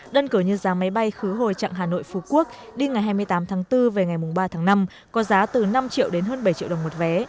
đơn cử như giá máy bay khứ hồi trạng hà nội phú quốc đi ngày hai mươi tám tháng bốn về ngày ba tháng năm có giá từ năm triệu đến hơn bảy triệu đồng một vé